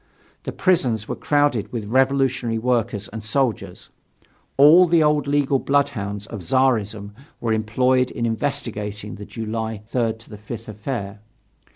The prisons were crowded with revolutionary workers and soldiers. All the old legal bloodhounds of Czarism were employed in investigating the July 3 5 affair.